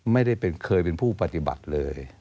ไม่ได้เคยเป็นผู้ปฏิบัติเลย